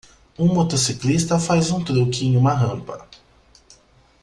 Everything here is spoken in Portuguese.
Um motociclista faz um truque em uma rampa.